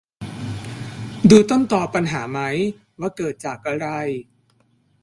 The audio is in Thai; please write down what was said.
ดูต้นตอปัญหาไหม ว่าเกิดจากอะไร